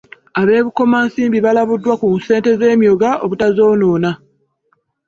Ab'e Bukomansimbi balabuddwa ku ssente z'emyoga obutazoonoona